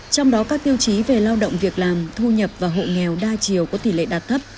trong đó các tiêu chí về lao động việc làm thu nhập và hộ nghèo đa chiều có tỷ lệ đạt thấp